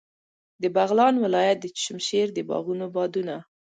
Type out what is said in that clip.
د بغلان ولایت د چشم شیر د باغونو بادونه.